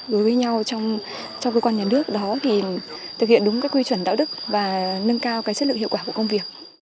đối với nhau trong cơ quan nhà nước đó thì thực hiện đúng cái quy chuẩn đạo đức và nâng cao cái chất lượng hiệu quả của công việc